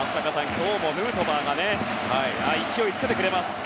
今日もヌートバーが勢いをつけてくれました。